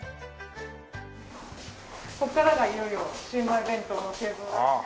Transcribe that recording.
ここからがいよいよシウマイ弁当の製造ラインです。